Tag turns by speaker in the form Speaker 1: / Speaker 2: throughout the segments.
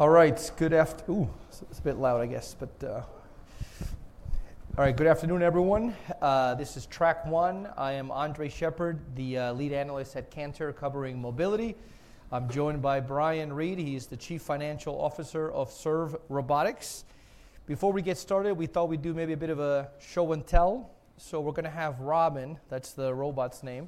Speaker 1: All right, good afternoon. Ooh, it's a bit loud, I guess, but all right, good afternoon, everyone. This is Track One. I am Andres Sheppard, the lead analyst at Cantor Fitzgerald covering mobility. I'm joined by Brian Reed, he's the Chief Financial Officer of Serve Robotics. Before we get started, we thought we'd do maybe a bit of a show and tell, so we're gonna have Robin, that's the robot's name,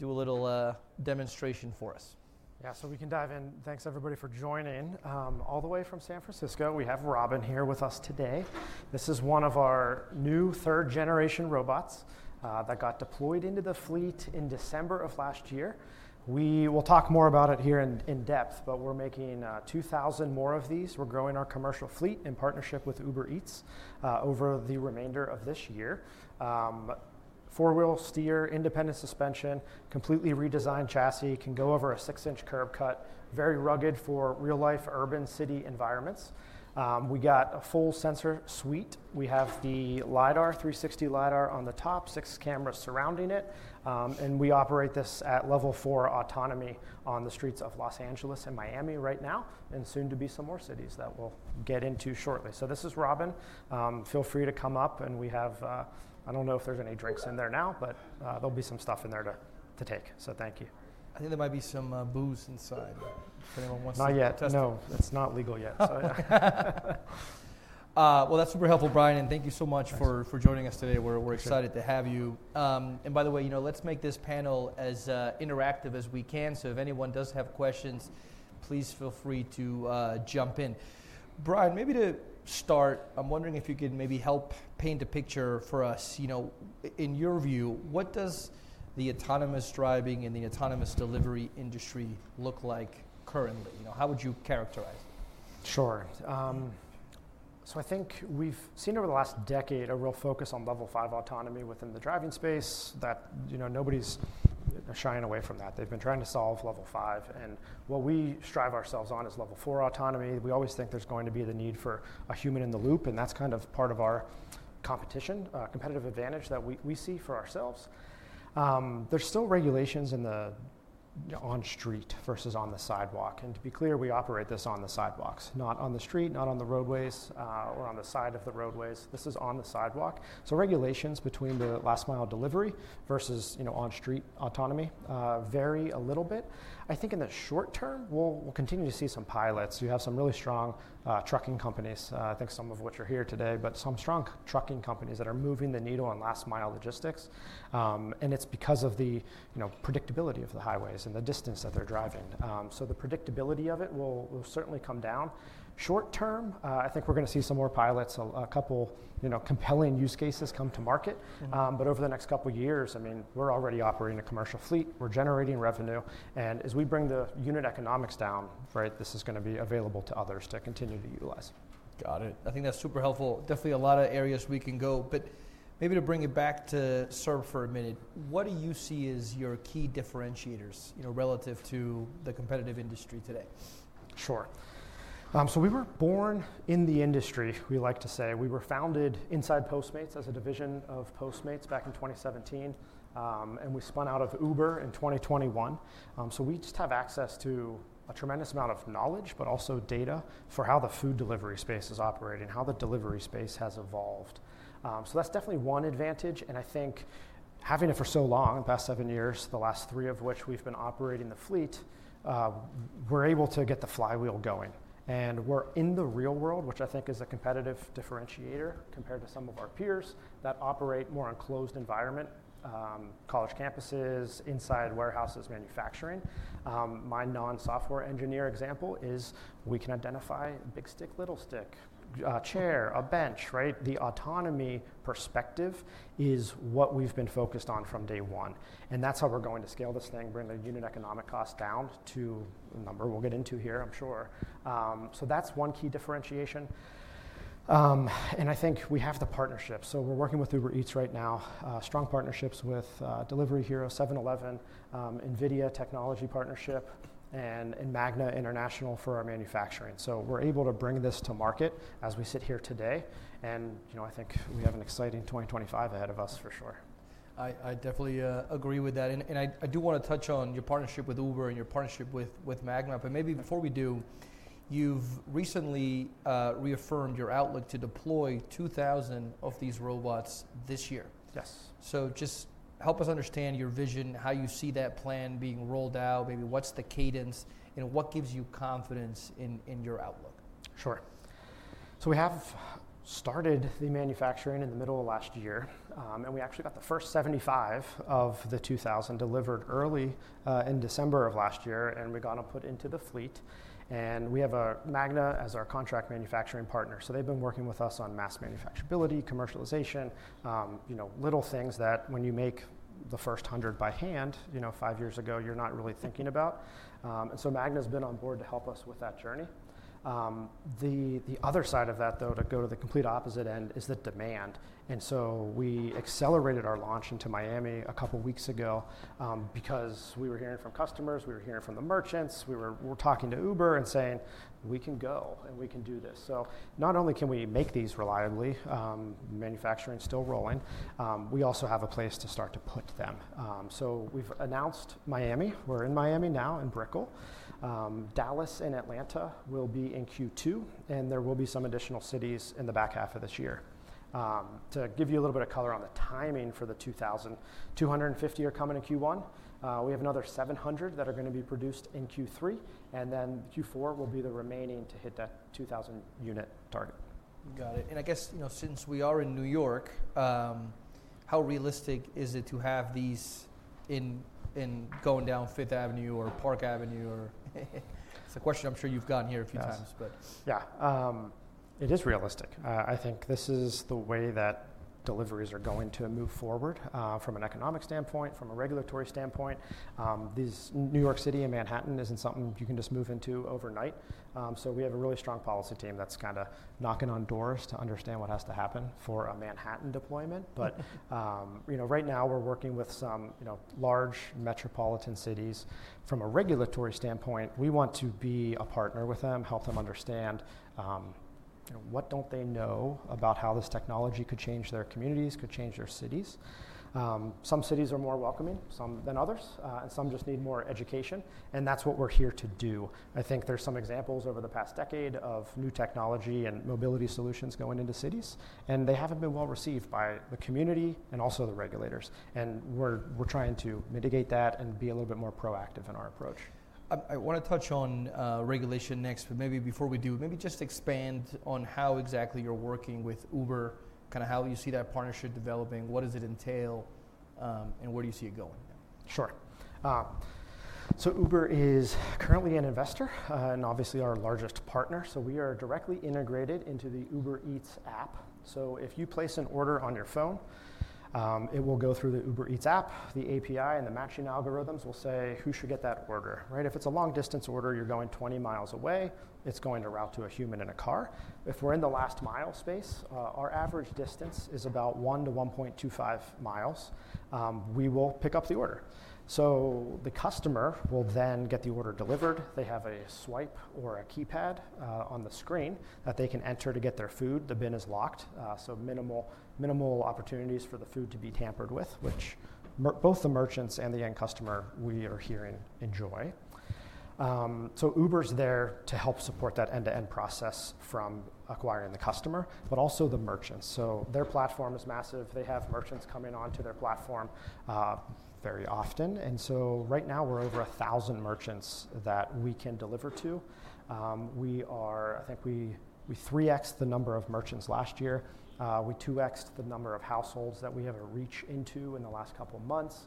Speaker 1: do a little demonstration for us.
Speaker 2: Yeah, so we can dive in. Thanks, everybody, for joining. All the way from San Francisco, we have Robin here with us today. This is one of our new third-generation robots that got deployed into the fleet in December of last year. We will talk more about it here in depth, but we're making 2,000 more of these. We're growing our commercial fleet in partnership with Uber Eats over the remainder of this year. Four-wheel steer, independent suspension, completely redesigned chassis, can go over a 6-inch curb cut, very rugged for real-life urban city environments. We got a full sensor suite. We have the LiDAR, 360 LiDAR on the top, six cameras surrounding it, and we operate this at level four autonomy on the streets of Los Angeles and Miami right now, and soon to be some more cities that we'll get into shortly. This is Robin. Feel free to come up, and we have, I don't know if there's any drinks in there now, but there'll be some stuff in there to take, so thank you.
Speaker 1: I think there might be some booze inside, but depending on what's in the test tub.
Speaker 2: Not yet, no. It's not legal yet, so yeah.
Speaker 1: That's super helpful, Brian, and thank you so much for joining us today. We're excited to have you.
Speaker 2: Thank you.
Speaker 1: By the way, you know, let's make this panel as interactive as we can, so if anyone does have questions, please feel free to jump in. Brian, maybe to start, I'm wondering if you could maybe help paint a picture for us, you know, in your view, what does the autonomous driving and the autonomous delivery industry look like currently? You know, how would you characterize it?
Speaker 2: Sure. I think we've seen over the last decade a real focus on level five autonomy within the driving space, that, you know, nobody's shying away from that. They've been trying to solve level five, and what we strive ourselves on is level four autonomy. We always think there's going to be the need for a human in the loop, and that's kind of part of our competition, competitive advantage that we see for ourselves. There's still regulations in the, you know, on street versus on the sidewalk, and to be clear, we operate this on the sidewalks, not on the street, not on the roadways, or on the side of the roadways. This is on the sidewalk. Regulations between the last-mile delivery versus, you know, on-street autonomy, vary a little bit. I think in the short term, we'll continue to see some pilots. You have some really strong trucking companies, I think some of which are here today, but some strong trucking companies that are moving the needle on last-mile logistics, and it's because of the, you know, predictability of the highways and the distance that they're driving. The predictability of it will certainly come down. Short term, I think we're gonna see some more pilots, a couple, you know, compelling use cases come to market, but over the next couple years, I mean, we're already operating a commercial fleet, we're generating revenue, and as we bring the unit economics down, right, this is gonna be available to others to continue to utilize.
Speaker 1: Got it. I think that's super helpful. Definitely a lot of areas we can go, but maybe to bring it back to Serve for a minute, what do you see as your key differentiators, you know, relative to the competitive industry today?
Speaker 2: Sure. We were born in the industry, we like to say. We were founded inside Postmates as a division of Postmates back in 2017, and we spun out of Uber in 2021. We just have access to a tremendous amount of knowledge, but also data for how the food delivery space is operating, how the delivery space has evolved. That is definitely one advantage, and I think having it for so long, the past seven years, the last three of which we have been operating the fleet, we are able to get the flywheel going, and we are in the real world, which I think is a competitive differentiator compared to some of our peers that operate more in closed environments, college campuses, inside warehouses, manufacturing. My non-software engineer example is we can identify big stick, little stick, chair, a bench, right? The autonomy perspective is what we've been focused on from day one, and that's how we're going to scale this thing, bring the unit economic cost down to a number we'll get into here, I'm sure. That's one key differentiation. I think we have the partnerships. We're working with Uber Eats right now, strong partnerships with Delivery Hero, 7-Eleven, NVIDIA technology partnership, and Magna International for our manufacturing. We're able to bring this to market as we sit here today, and, you know, I think we have an exciting 2025 ahead of us for sure.
Speaker 1: I definitely agree with that, and I do wanna touch on your partnership with Uber and your partnership with Magna, but maybe before we do, you've recently reaffirmed your outlook to deploy 2,000 of these robots this year.
Speaker 2: Yes.
Speaker 1: Just help us understand your vision, how you see that plan being rolled out, maybe what's the cadence, you know, what gives you confidence in, in your outlook?
Speaker 2: Sure. We have started the manufacturing in the middle of last year, and we actually got the first 75 of the 2,000 delivered early, in December of last year, and we're gonna put into the fleet, and we have Magna as our contract manufacturing partner. They've been working with us on mass manufacturability, commercialization, you know, little things that when you make the first hundred by hand, you know, five years ago, you're not really thinking about. Magna's been on board to help us with that journey. The other side of that, though, to go to the complete opposite end, is the demand. We accelerated our launch into Miami a couple weeks ago, because we were hearing from customers, we were hearing from the merchants, we were talking to Uber and saying, "We can go and we can do this." Not only can we make these reliably, manufacturing's still rolling, we also have a place to start to put them. We have announced Miami. We are in Miami now in Brickell. Dallas and Atlanta will be in Q2, and there will be some additional cities in the back half of this year. To give you a little bit of color on the timing for the 2,000, 250 are coming in Q1. We have another 700 that are going to be produced in Q3, and then Q4 will be the remaining to hit that 2,000 unit target.
Speaker 1: Got it. I guess, you know, since we are in New York, how realistic is it to have these in, in going down Fifth Avenue or Park Avenue? It's a question I'm sure you've gotten here a few times.
Speaker 2: Yeah. It is realistic. I think this is the way that deliveries are going to move forward, from an economic standpoint, from a regulatory standpoint. This New York City and Manhattan isn't something you can just move into overnight. We have a really strong policy team that's kinda knocking on doors to understand what has to happen for a Manhattan deployment, but, you know, right now we're working with some, you know, large metropolitan cities. From a regulatory standpoint, we want to be a partner with them, help them understand, you know, what don't they know about how this technology could change their communities, could change their cities. Some cities are more welcoming, some than others, and some just need more education, and that's what we're here to do. I think there's some examples over the past decade of new technology and mobility solutions going into cities, and they haven't been well received by the community and also the regulators, and we're trying to mitigate that and be a little bit more proactive in our approach.
Speaker 1: I wanna touch on regulation next, but maybe before we do, maybe just expand on how exactly you're working with Uber, kinda how you see that partnership developing, what does it entail, and where do you see it going now?
Speaker 2: Sure. Uber is currently an investor, and obviously our largest partner, so we are directly integrated into the Uber Eats app. If you place an order on your phone, it will go through the Uber Eats app, the API, and the matching algorithms will say who should get that order, right? If it's a long-distance order, you're going 20 mi away, it's going to route to a human in a car. If we're in the last-mile space, our average distance is about 1 to 1.25 mi, we will pick up the order. The customer will then get the order delivered. They have a swipe or a keypad on the screen that they can enter to get their food. The bin is locked, so minimal, minimal opportunities for the food to be tampered with, which both the merchants and the end customer, we are hearing, enjoy. Uber's there to help support that end-to-end process from acquiring the customer, but also the merchants. Their platform is massive. They have merchants coming onto their platform very often, and right now we're over 1,000 merchants that we can deliver to. I think we 3x'd the number of merchants last year. We 2x'd the number of households that we have a reach into in the last couple months.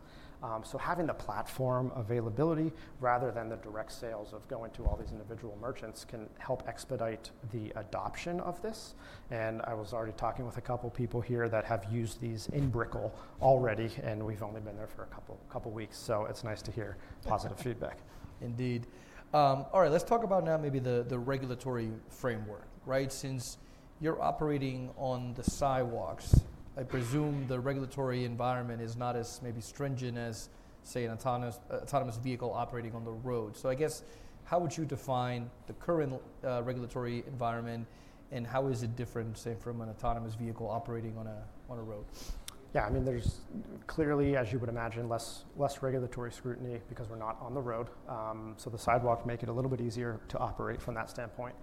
Speaker 2: Having the platform availability rather than the direct sales of going to all these individual merchants can help expedite the adoption of this, and I was already talking with a couple people here that have used these in Brickell already, and we've only been there for a couple weeks, so it's nice to hear positive feedback.
Speaker 1: Indeed. All right, let's talk about now maybe the regulatory framework, right? Since you're operating on the sidewalks, I presume the regulatory environment is not as maybe stringent as, say, an autonomous vehicle operating on the road. I guess, how would you define the current regulatory environment, and how is it different, say, from an autonomous vehicle operating on a road?
Speaker 2: Yeah, I mean, there's clearly, as you would imagine, less, less regulatory scrutiny because we're not on the road. The sidewalks make it a little bit easier to operate from that standpoint.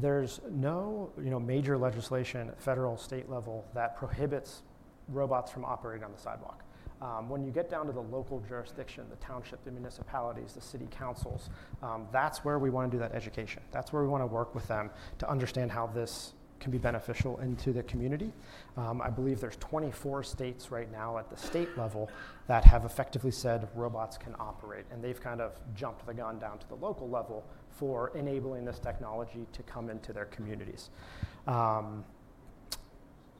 Speaker 2: There's no, you know, major legislation, federal, state level, that prohibits robots from operating on the sidewalk. When you get down to the local jurisdiction, the township, the municipalities, the city councils, that's where we wanna do that education. That's where we wanna work with them to understand how this can be beneficial into the community. I believe there's 24 states right now at the state level that have effectively said robots can operate, and they've kind of jumped the gun down to the local level for enabling this technology to come into their communities.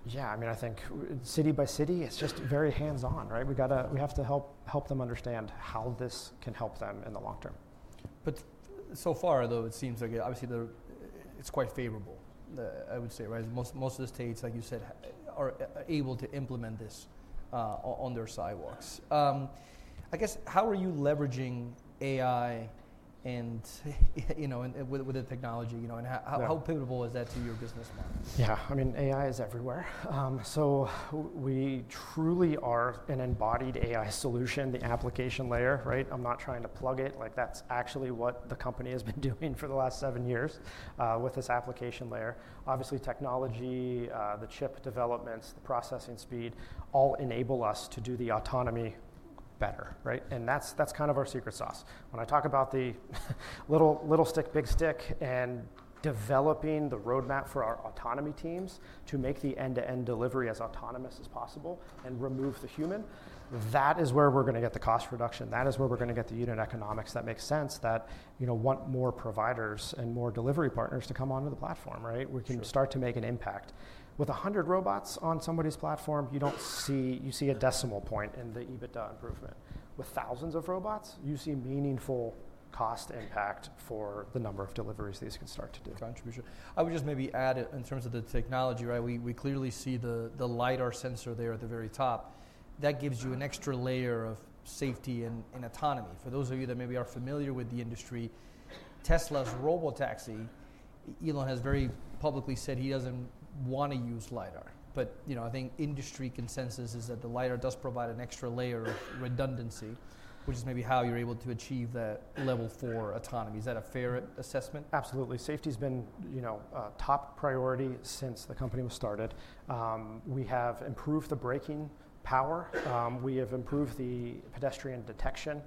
Speaker 2: Yeah, I mean, I think city by city, it's just very hands-on, right? We have to help them understand how this can help them in the long term.
Speaker 1: So far, though, it seems like obviously it's quite favorable, I would say, right? Most of the states, like you said, are able to implement this on their sidewalks. I guess, how are you leveraging AI and, you know, with the technology, you know, and how pivotal is that to your business model?
Speaker 2: Yeah, I mean, AI is everywhere. We truly are an embodied AI solution, the application layer, right? I'm not trying to plug it, like that's actually what the company has been doing for the last seven years, with this application layer. Obviously, technology, the chip developments, the processing speed, all enable us to do the autonomy better, right? That's kind of our secret sauce. When I talk about the little, little stick, big stick, and developing the roadmap for our autonomy teams to make the end-to-end delivery as autonomous as possible and remove the human, that is where we're gonna get the cost reduction. That is where we're gonna get the unit economics that make sense that, you know, want more providers and more delivery partners to come onto the platform, right? We can start to make an impact. With a hundred robots on somebody's platform, you don't see, you see a decimal point in the EBITDA improvement. With thousands of robots, you see meaningful cost impact for the number of deliveries these can start to do.
Speaker 1: Contribution. I would just maybe add in terms of the technology, right? We clearly see the LiDAR sensor there at the very top. That gives you an extra layer of safety and autonomy. For those of you that maybe are familiar with the industry, Tesla's Robotaxi, Elon has very publicly said he doesn't wanna use LiDAR, but, you know, I think industry consensus is that the LiDAR does provide an extra layer of redundancy, which is maybe how you're able to achieve that level four autonomy. Is that a fair assessment?
Speaker 2: Absolutely. Safety's been, you know, a top priority since the company was started. We have improved the braking power. We have improved the pedestrian detection.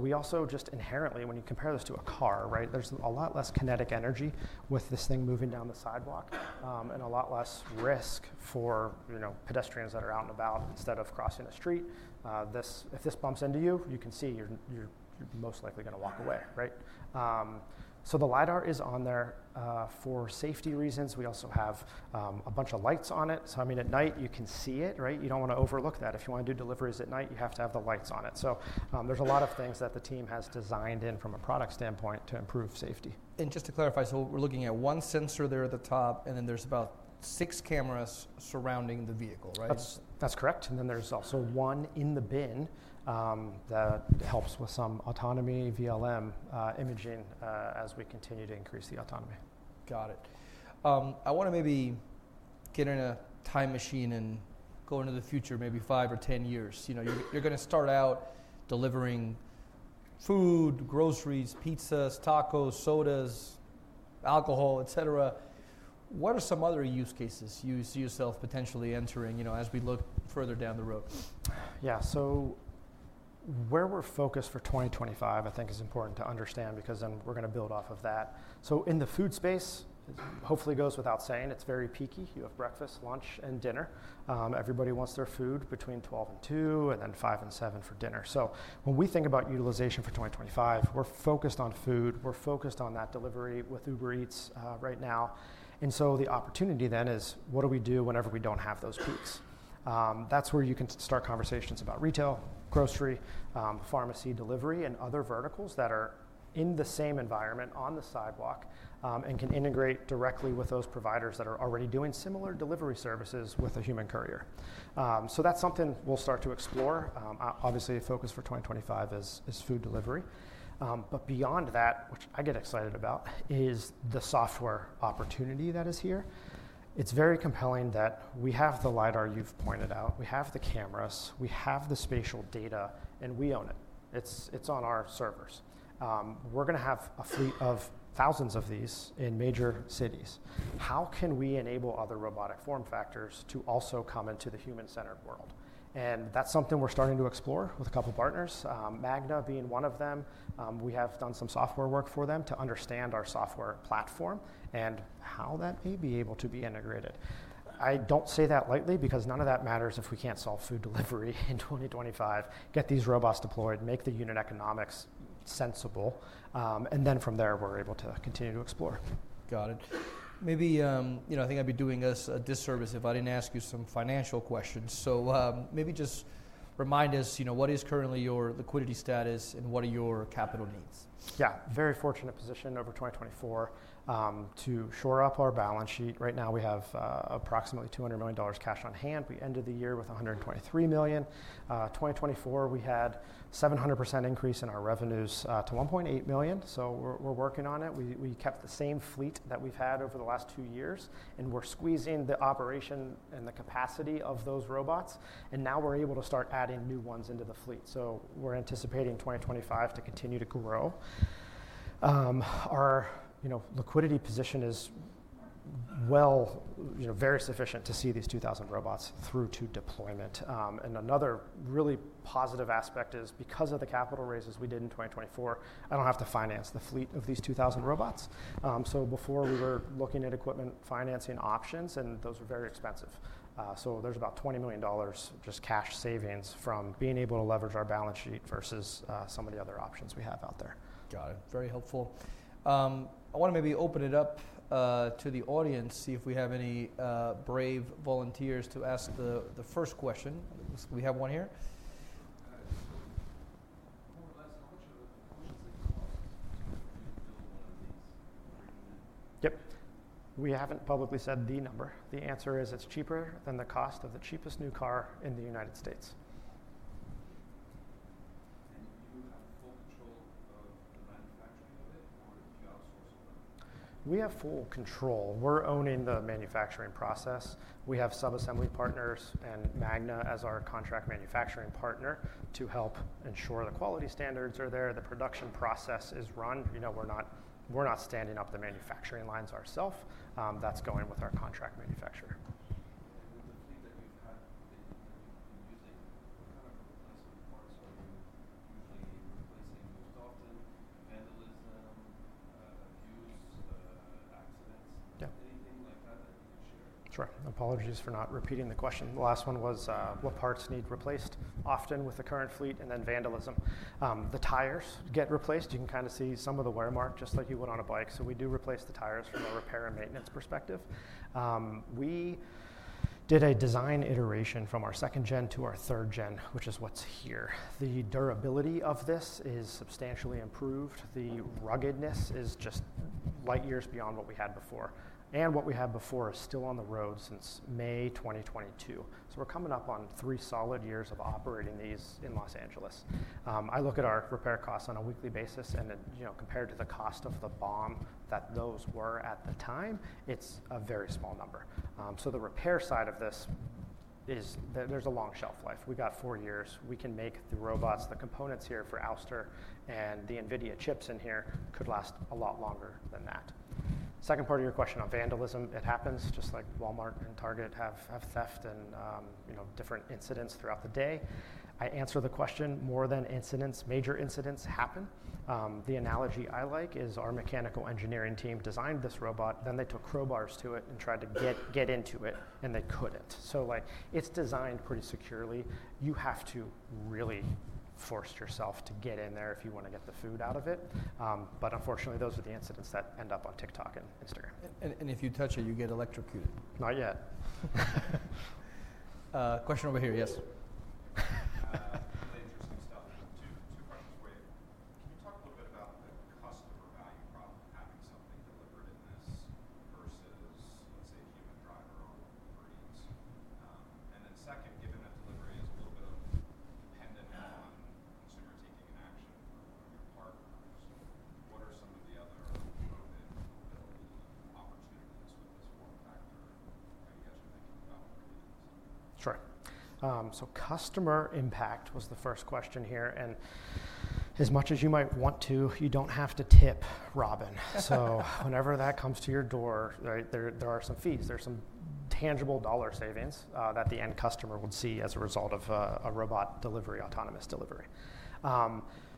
Speaker 2: You know, just inherently, when you compare this to a car, right, there's a lot less kinetic energy with this thing moving down the sidewalk, and a lot less risk for, you know, pedestrians that are out and about instead of crossing a street. If this bumps into you, you can see you're most likely gonna walk away, right? The LiDAR is on there for safety reasons. We also have a bunch of lights on it. I mean, at night you can see it, right? You don't wanna overlook that. If you wanna do deliveries at night, you have to have the lights on it. There's a lot of things that the team has designed in from a product standpoint to improve safety.
Speaker 1: Just to clarify, we're looking at one sensor there at the top, and then there's about six cameras surrounding the vehicle, right?
Speaker 2: That's correct. And then there's also one in the bin, that helps with some autonomy VLM imaging, as we continue to increase the autonomy.
Speaker 1: Got it. I wanna maybe get in a time machine and go into the future, maybe five or ten years. You know, you're gonna start out delivering food, groceries, pizzas, tacos, sodas, alcohol, et cetera. What are some other use cases you see yourself potentially entering, you know, as we look further down the road?
Speaker 2: Yeah, so where we're focused for 2025, I think, is important to understand because then we're gonna build off of that. In the food space, it hopefully goes without saying, it's very peaky. You have breakfast, lunch, and dinner. Everybody wants their food between 12:00 P.M. and 2:00 P.M., and then 5:00 P.M. and 7:00 P.M. for dinner. When we think about utilization for 2025, we're focused on food. We're focused on that delivery with Uber Eats, right now. The opportunity then is, what do we do whenever we don't have those peaks? That's where you can start conversations about retail, grocery, pharmacy delivery, and other verticals that are in the same environment on the sidewalk, and can integrate directly with those providers that are already doing similar delivery services with a human courier. That's something we'll start to explore. Obviously, the focus for 2025 is food delivery. Beyond that, which I get excited about, is the software opportunity that is here. It's very compelling that we have the LiDAR you've pointed out. We have the cameras. We have the spatial data, and we own it. It's on our servers. We're gonna have a fleet of thousands of these in major cities. How can we enable other robotic form factors to also come into the human-centered world? That's something we're starting to explore with a couple partners, Magna being one of them. We have done some software work for them to understand our software platform and how that may be able to be integrated. I don't say that lightly because none of that matters if we can't solve food delivery in 2025. Get these robots deployed, make the unit economics sensible, and then from there, we're able to continue to explore.
Speaker 1: Got it. Maybe, you know, I think I'd be doing us a disservice if I didn't ask you some financial questions. Maybe just remind us, you know, what is currently your liquidity status and what are your capital needs?
Speaker 2: Yeah, very fortunate position over 2024, to shore up our balance sheet. Right now we have approximately $200 million cash on hand. We ended the year with $123 million. 2024, we had a 700% increase in our revenues, to $1.8 million. We're working on it. We kept the same fleet that we've had over the last two years, and we're squeezing the operation and the capacity of those robots, and now we're able to start adding new ones into the fleet. We're anticipating 2025 to continue to grow. Our, you know, liquidity position is well, you know, very sufficient to see these 2,000 robots through to deployment. Another really positive aspect is because of the capital raises we did in 2024, I don't have to finance the fleet of these 2,000 robots. Before we were looking at equipment financing options, and those are very expensive. There is about $20 million just cash savings from being able to leverage our balance sheet versus some of the other options we have out there.
Speaker 1: Got it. Very helpful. I wanna maybe open it up to the audience, see if we have any brave volunteers to ask the first question. We have one here. More or less, how much are the costs of a new build one of these for a unit?
Speaker 2: Yep. We haven't publicly said the number. The answer is it's cheaper than the cost of the cheapest new car in the United States. Do you have full control of the manufacturing of it, or did you outsource it? We have full control. We're owning the manufacturing process. We have sub-assembly partners and Magna as our contract manufacturing partner to help ensure the quality standards are there. The production process is run. You know, we're not standing up the manufacturing lines ourself. That's going with our contract manufacturer. With the fleet that you've had that you've been using, what kind of replacement parts are you usually replacing most often? Vandalism, abuse, accidents? Yeah. Anything like that that you can share? Sure. Apologies for not repeating the question. The last one was, what parts need replaced often with the current fleet and then vandalism. The tires get replaced. You can kind of see some of the wear mark just like you would on a bike. So we do replace the tires from a repair and maintenance perspective. We did a design iteration from our second gen to our third gen, which is what's here. The durability of this is substantially improved. The ruggedness is just light years beyond what we had before. And what we had before is still on the road since May 2022. We are coming up on three solid years of operating these in Los Angeles. I look at our repair costs on a weekly basis, and it, you know, compared to the cost of the BOM that those were at the time, it's a very small number. The repair side of this is that there's a long shelf life. We got four years. We can make the robots, the components here for Ouster and the NVIDIA chips in here could last a lot longer than that. Second part of your question on vandalism, it happens just like Walmart and Target have theft and, you know, different incidents throughout the day. I answer the question more than incidents. Major incidents happen. The analogy I like is our mechanical engineering team designed this robot, then they took crowbars to it and tried to get into it, and they couldn't. So like, it's designed pretty securely. You have to really force yourself to get in there if you wanna get the food out of it. Unfortunately, those are the incidents that end up on TikTok and Instagram.
Speaker 1: If you touch it, you get electrocuted.
Speaker 2: Not yet.
Speaker 1: Question over here. Yes.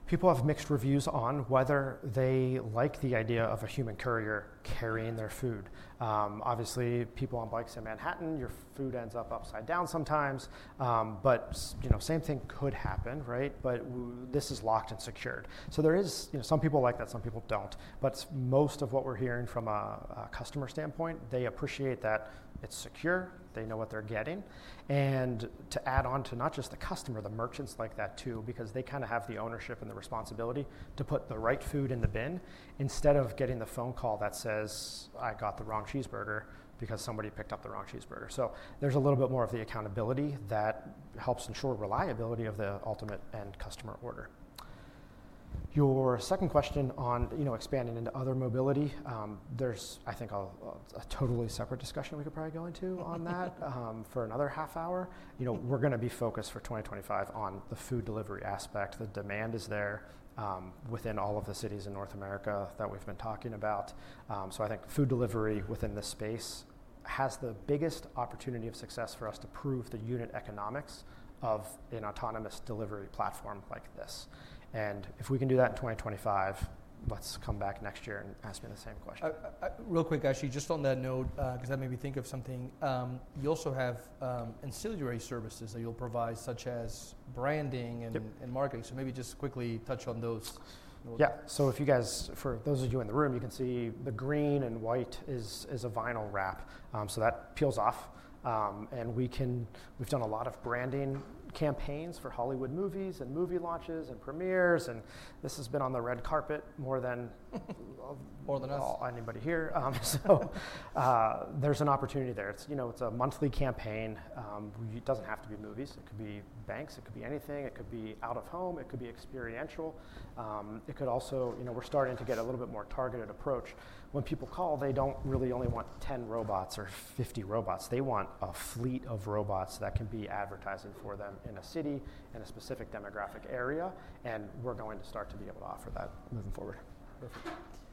Speaker 2: People have mixed reviews on whether they like the idea of a human courier carrying their food. Obviously, people on bikes in Manhattan, your food ends up upside down sometimes. You know, same thing could happen, right? This is locked and secured. There is, you know, some people like that, some people do not. Most of what we are hearing from a customer standpoint, they appreciate that it is secure. They know what they are getting. To add on to not just the customer, the merchants like that too, because they kind of have the ownership and the responsibility to put the right food in the bin instead of getting the phone call that says, "I got the wrong cheeseburger because somebody picked up the wrong cheeseburger." There is a little bit more of the accountability that helps ensure reliability of the ultimate end customer order. Your second question on, you know, expanding into other mobility, there is, I think, a totally separate discussion we could probably go into on that, for another half hour. You know, we are going to be focused for 2025 on the food delivery aspect. The demand is there, within all of the cities in North America that we have been talking about. I think food delivery within this space has the biggest opportunity of success for us to prove the unit economics of an autonomous delivery platform like this. If we can do that in 2025, let's come back next year and ask me the same question.
Speaker 1: Real quick, Ashley, just on that note, because that made me think of something. You also have ancillary services that you'll provide, such as branding and marketing. Maybe just quickly touch on those.
Speaker 2: Yeah. If you guys, for those of you in the room, you can see the green and white is a vinyl wrap. That peels off. We have done a lot of branding campaigns for Hollywood movies and movie launches and premieres, and this has been on the red carpet more than anybody here. There is an opportunity there. It is a monthly campaign. It does not have to be movies. It could be banks. It could be anything. It could be out of home. It could be experiential. We are starting to get a little bit more targeted approach. When people call, they do not really only want 10 robots or 50 robots. They want a fleet of robots that can be advertising for them in a city in a specific demographic area. We're going to start to be able to offer that moving forward.
Speaker 1: Perfect. What's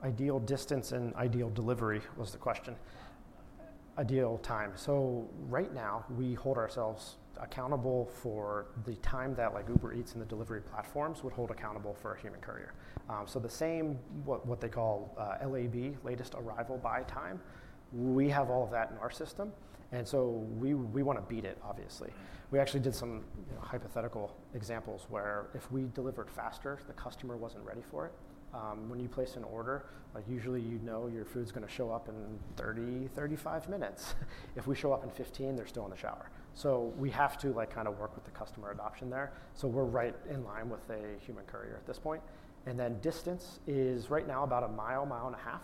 Speaker 1: the, sort of ideal delivery time and distance between the vision and the user on a scale?
Speaker 2: Sure. Ideal distance and ideal delivery was the question. Ideal time. Right now, we hold ourselves accountable for the time that, like, Uber Eats and the delivery platforms would hold accountable for a human courier. The same, what they call, LAB, latest arrival by time, we have all of that in our system. We wanna beat it, obviously. We actually did some, you know, hypothetical examples where if we delivered faster, the customer was not ready for it. When you place an order, like, usually you know your food's gonna show up in 30, 35 minutes. If we show up in 15, they're still in the shower. We have to, like, kind of work with the customer adoption there. We are right in line with a human courier at this point. Distance is right now about a mile, mile and a half.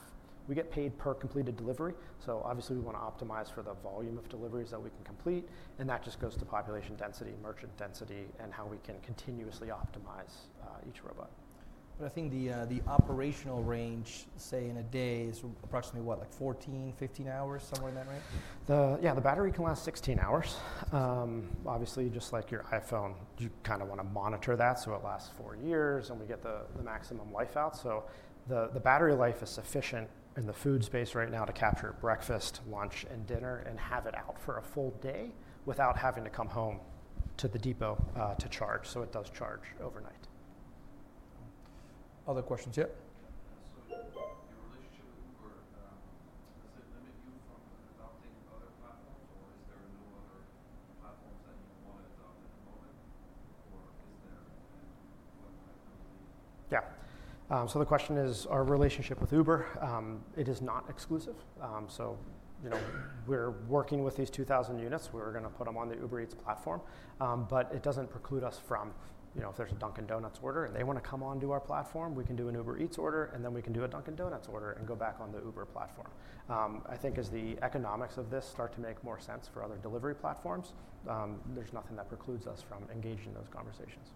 Speaker 2: We get paid per completed delivery. Obviously, we wanna optimize for the volume of deliveries that we can complete. That just goes to population density, merchant density, and how we can continuously optimize each robot.
Speaker 1: I think the operational range, say in a day, is approximately what, like 14, 15 hours, somewhere in that range?
Speaker 2: Yeah, the battery can last 16 hours. Obviously, just like your iPhone, you kind of want to monitor that so it lasts four years and we get the maximum life out. The battery life is sufficient in the food space right now to capture breakfast, lunch, and dinner and have it out for a full day without having to come home to the depot to charge. It does charge overnight.
Speaker 1: Other questions yet? Your relationship with Uber, does it limit you from adopting other platforms, or is there no other platforms that you want to adopt at the moment, or is there what might be?
Speaker 2: Yeah. The question is our relationship with Uber. It is not exclusive. You know, we're working with these 2,000 units. We're gonna put them on the Uber Eats platform. It doesn't preclude us from, you know, if there's a Dunkin' Donuts order and they wanna come onto our platform, we can do an Uber Eats order, and then we can do a Dunkin' Donuts order and go back on the Uber platform. I think as the economics of this start to make more sense for other delivery platforms, there's nothing that precludes us from engaging in those conversations.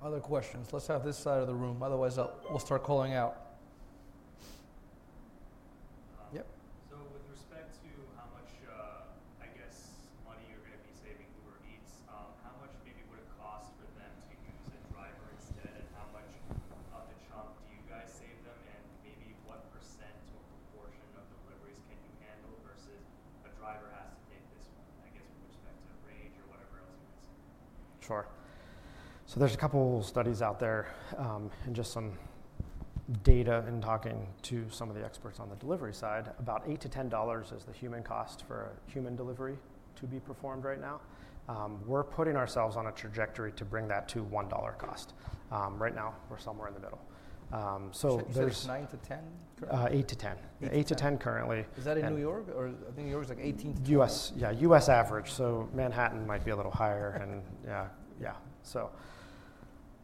Speaker 1: Other questions? Let's have this side of the room. Otherwise, I'll start calling out.
Speaker 2: So there's.
Speaker 1: You said 9 to 10?
Speaker 2: Eight to ten. Eight to ten currently.
Speaker 1: Is that in New York or I think New York's like 18 to 10?
Speaker 2: U.S., yeah, U.S. average. Manhattan might be a little higher and yeah, yeah.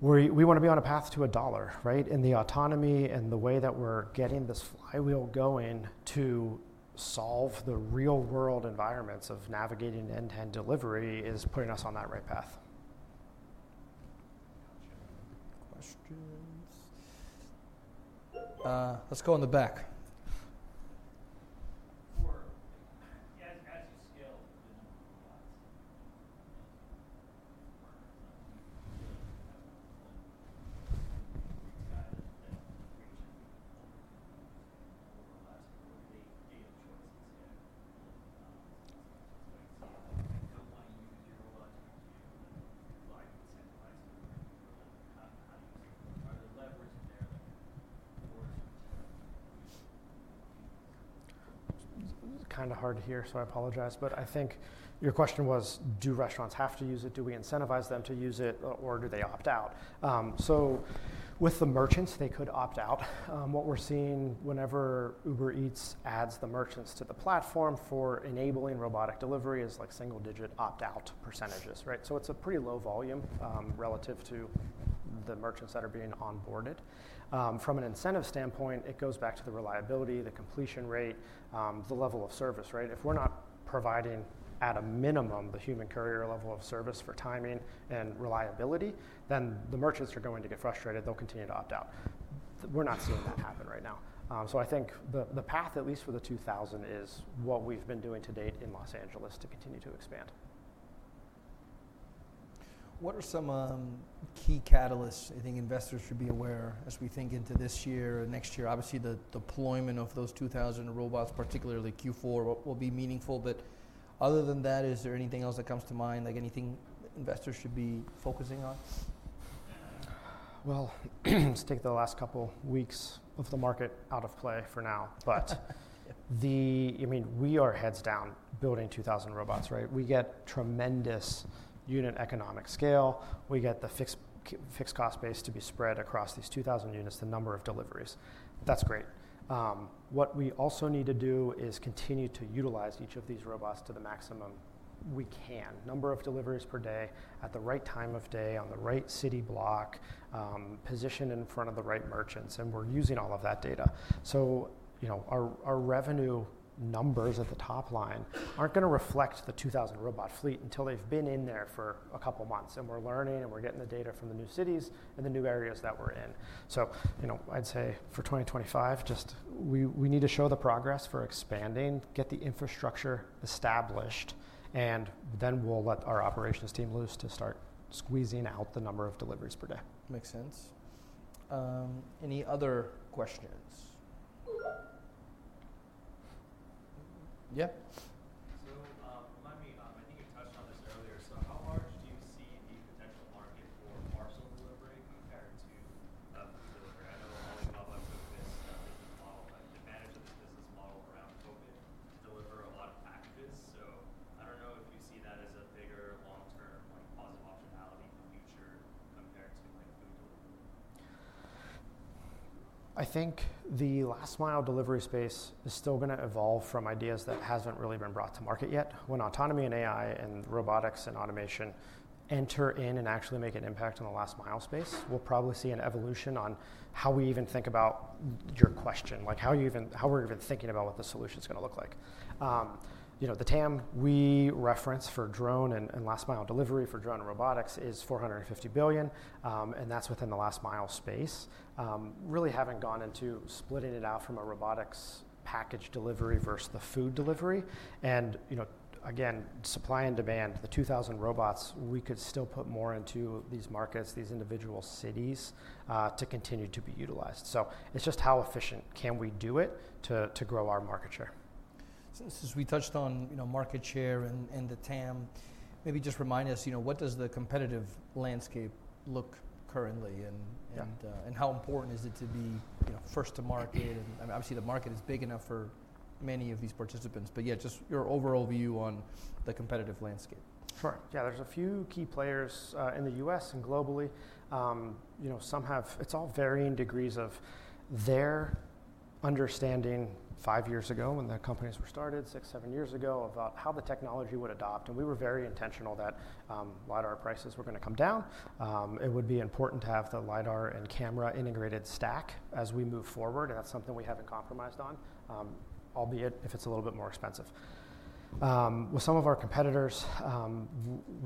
Speaker 2: We wanna be on a path to a dollar, right? The autonomy and the way that we're getting this flywheel going to solve the real-world environments of navigating end-to-end delivery is putting us on that right path.
Speaker 1: Gotcha. Questions? Let's go in the back.
Speaker 2: From an incentive standpoint, it goes back to the reliability, the completion rate, the level of service, right? If we're not providing at a minimum the human courier level of service for timing and reliability, then the merchants are going to get frustrated. They'll continue to opt out. We're not seeing that happen right now. I think the, the path, at least for the 2,000, is what we've been doing to date in Los Angeles to continue to expand.
Speaker 1: What are some key catalysts I think investors should be aware as we think into this year and next year? Obviously, the deployment of those 2,000 robots, particularly Q4, will be meaningful. Other than that, is there anything else that comes to mind, like anything investors should be focusing on?
Speaker 2: Let's take the last couple weeks of the market out of play for now. I mean, we are heads down building 2,000 robots, right? We get tremendous unit economic scale. We get the fixed cost base to be spread across these 2,000 units, the number of deliveries. That's great. What we also need to do is continue to utilize each of these robots to the maximum we can, number of deliveries per day at the right time of day on the right city block, positioned in front of the right merchants. We're using all of that data. You know, our revenue numbers at the top line aren't gonna reflect the 2,000 robot fleet until they've been in there for a couple months. We're learning and we're getting the data from the new cities and the new areas that we're in. You know, I'd say for 2025, just we need to show the progress for expanding, get the infrastructure established, and then we'll let our operations team loose to start squeezing out the number of deliveries per day.
Speaker 1: Makes sense. Any other questions? Yeah. Remind
Speaker 2: You know, the TAM we reference for drone and last-mile delivery for drone and robotics is $450 billion. And that's within the last-mile space. Really haven't gone into splitting it out from a robotics package delivery versus the food delivery. And, you know, again, supply and demand, the 2,000 robots, we could still put more into these markets, these individual cities, to continue to be utilized. So it's just how efficient can we do it to grow our market share.
Speaker 1: Since we touched on, you know, market share and the TAM, maybe just remind us, you know, what does the competitive landscape look currently and how important is it to be, you know, first to market? I mean, obviously, the market is big enough for many of these participants, but yeah, just your overall view on the competitive landscape.
Speaker 2: Sure. Yeah, there's a few key players, in the U.S. and globally. You know, some have, it's all varying degrees of their understanding five years ago when the companies were started, six, seven years ago about how the technology would adopt. And we were very intentional that, LiDAR prices were gonna come down. It would be important to have the LiDAR and camera integrated stack as we move forward. And that's something we haven't compromised on, albeit if it's a little bit more expensive. With some of our competitors,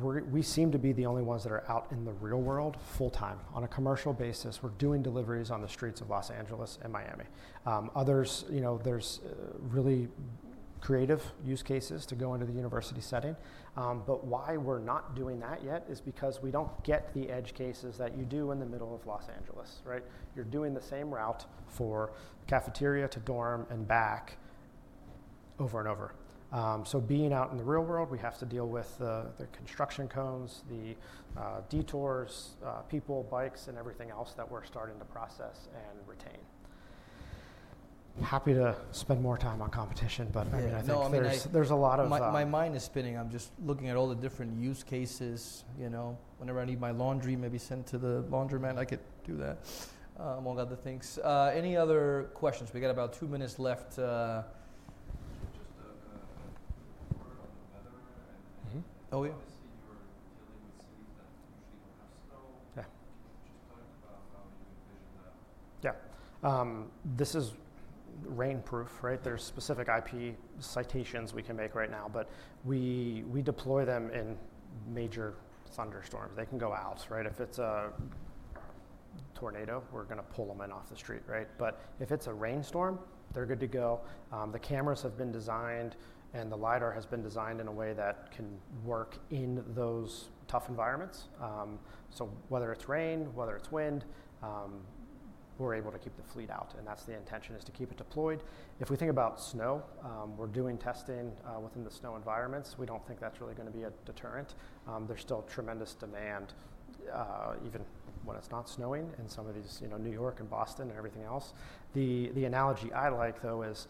Speaker 2: we, we seem to be the only ones that are out in the real world full-time on a commercial basis. We're doing deliveries on the streets of Los Angeles and Miami. Others, you know, there's really creative use cases to go into the university setting. Why we're not doing that yet is because we don't get the edge cases that you do in the middle of Los Angeles, right? You're doing the same route from cafeteria to dorm and back over and over. Being out in the real world, we have to deal with the construction cones, the detours, people, bikes, and everything else that we're starting to process and retain. Happy to spend more time on competition, but I mean, I think there's a lot of,
Speaker 1: My mind is spinning. I'm just looking at all the different use cases, you know, whenever I need my laundry maybe sent to the laundromat, I could do that, among other things. Any other questions? We got about two minutes left. Just a word on the weather. Mm-hmm. Oh yeah. Obviously, you are dealing with cities that usually do not have snow.
Speaker 2: Yeah. Can you just talk about how you envision that? Yeah. This is rainproof, right? There are specific IP citations we can make right now, but we deploy them in major thunderstorms. They can go out, right? If it's a tornado, we're gonna pull them in off the street, right? If it's a rainstorm, they're good to go. The cameras have been designed and the LiDAR has been designed in a way that can work in those tough environments. Whether it's rain, whether it's wind, we're able to keep the fleet out. That is the intention, to keep it deployed. If we think about snow, we're doing testing within the snow environments. We don't think that's really gonna be a deterrent. There's still tremendous demand, even when it's not snowing in some of these, you know, New York and Boston and everything else. The analogy I like though is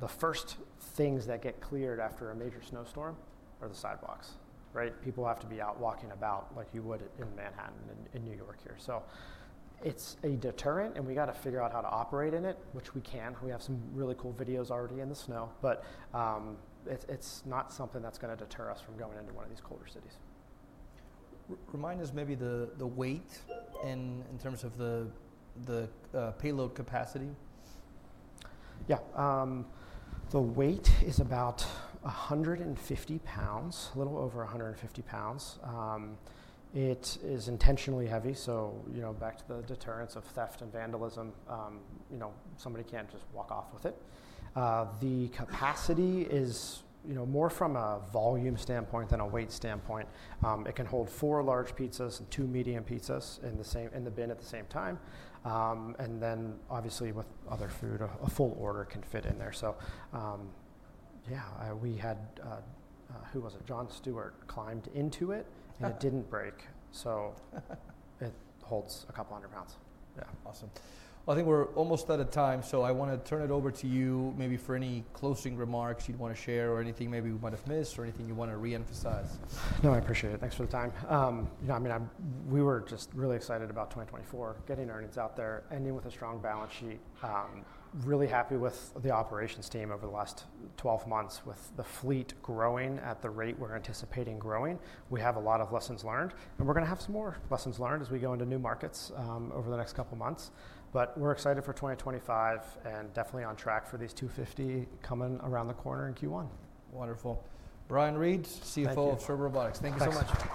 Speaker 2: the first things that get cleared after a major snowstorm are the sidewalks, right? People have to be out walking about like you would in Manhattan and in New York here. It's a deterrent and we gotta figure out how to operate in it, which we can. We have some really cool videos already in the snow, but it's not something that's gonna deter us from going into one of these colder cities.
Speaker 1: Remind us maybe the, the weight and in terms of the, the payload capacity.
Speaker 2: Yeah. The weight is about 150 pounds, a little over 150 pounds. It is intentionally heavy. You know, back to the deterrence of theft and vandalism, you know, somebody can't just walk off with it. The capacity is, you know, more from a volume standpoint than a weight standpoint. It can hold four large pizzas and two medium pizzas in the same, in the bin at the same time. Obviously with other food, a full order can fit in there. Yeah, we had, who was it? Jon Stewart climbed into it and it didn't break. So it holds a couple hundred pounds. Yeah.
Speaker 1: Awesome. I think we're almost out of time. I wanna turn it over to you maybe for any closing remarks you'd wanna share or anything maybe we might have missed or anything you wanna reemphasize.
Speaker 2: No, I appreciate it. Thanks for the time. You know, I mean, we were just really excited about 2024, getting earnings out there, ending with a strong balance sheet. Really happy with the operations team over the last 12 months with the fleet growing at the rate we're anticipating growing. We have a lot of lessons learned and we're gonna have some more lessons learned as we go into new markets over the next couple months. We are excited for 2025 and definitely on track for these 250 coming around the corner in Q1.
Speaker 1: Wonderful. Brian Reed, CFO of Serve Robotics. Thank you so much.